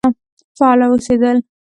فعال اوسېدل.